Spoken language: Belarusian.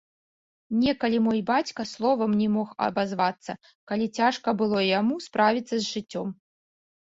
Некалі мой бацька словам не мог абазвацца, калі цяжка было яму справіцца з жыццём.